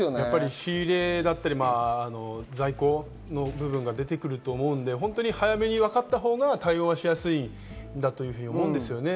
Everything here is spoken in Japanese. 仕入れや在庫の部分が出てくると思うので、早めに分かったほうが対応はしやすいと思うんですよね。